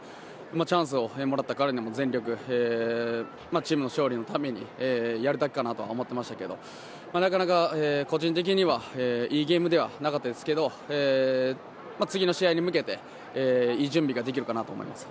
チャンスをもらったからには全力チームの勝利のためにやるだけかなとは思ってましたけどなかなか、個人的にはいいゲームではなかったですけど次の試合に向けていい準備ができるかなと思います。